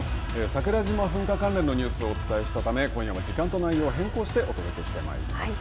桜島噴火関連のニュースをお伝えしたため今夜は時間と内容を変更してお届けしてまいります。